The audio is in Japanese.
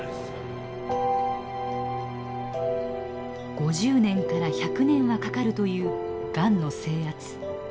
５０年から１００年はかかるというがんの征圧。